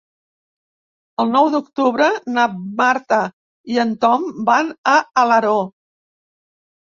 El nou d'octubre na Marta i en Tom van a Alaró.